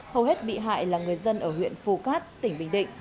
hầu hết bị hại là người dân ở huyện phù cát tỉnh bình định